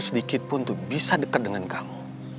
semenjak almarhumah mama kamu